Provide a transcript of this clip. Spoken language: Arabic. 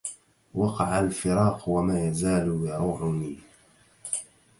وقع الفراق وما يزال يروعني